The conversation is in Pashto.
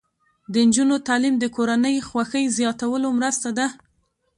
د نجونو تعلیم د کورنۍ خوښۍ زیاتولو مرسته ده.